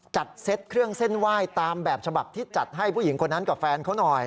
เซ็ตเครื่องเส้นไหว้ตามแบบฉบับที่จัดให้ผู้หญิงคนนั้นกับแฟนเขาหน่อย